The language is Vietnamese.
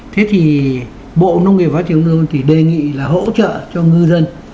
thế thì bộ nông nghiệp phát triển nông dân thì đề nghị là hỗ trợ cho ngư dân